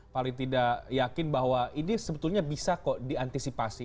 paling tidak yakin bahwa ini sebetulnya bisa kok diantisipasi